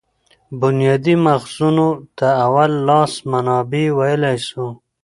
بنیادي ماخذونو ته اول لاس منابع ویلای سو.